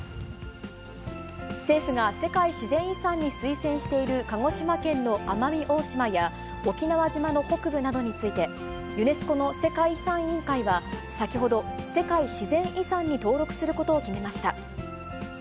政府が世界自然遺産に推薦している鹿児島県の奄美大島や、沖縄島の北部などについて、ユネスコの世界遺産委員会は、先ほど、世界自然遺産に登録することを決めました。